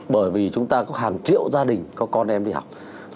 bởi vì chúng ta có hàng triệu gia đình có con em đi học